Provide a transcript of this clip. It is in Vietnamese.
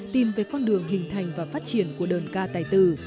tìm về con đường hình thành và phát triển của đơn ca tài tử